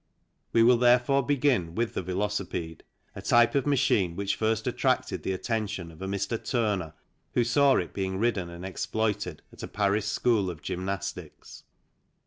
We will therefore begin with the velocipede, a type of machine which first attracted the attention of a Mr. Turner, who saw it being ridden and exploited at a Paris school of gymnastics.